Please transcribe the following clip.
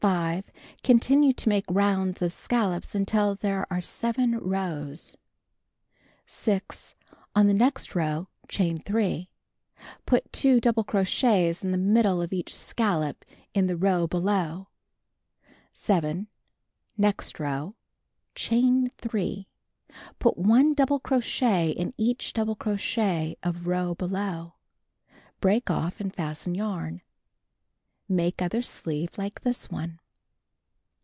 Continue to make rounds of scallops until there are 7 rows. 6. On the next row, chain 3. Put 2 double crochets in the middle of each scal lop in the row below, 7. Next row: Chain 3. Put 1 double crochet in each double crochet of row below. Break off and fasten yarn. Make other sleeve like this one.